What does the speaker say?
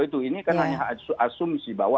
itu ini kan hanya asumsi bahwa